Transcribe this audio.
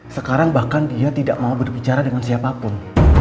sekarang bahkan dia tidak mau berbicara dengan siapapun